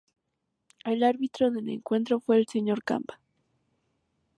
El árbitro del encuentro fue el señor Camba.